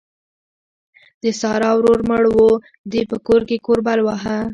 د سارا ورور مړ وو؛ دې په کور کې کوربل واهه.